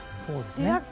そうですね。